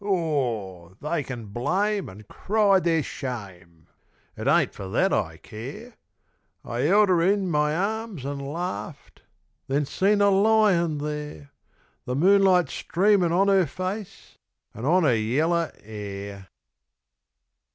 Aw, they can blame an' cry their shame! It ain't for that I care. I held 'er in my arms an' laughed.... Then seen 'er lying' there, The moonlight streamin' on 'er face, An' on 'er yeller 'air.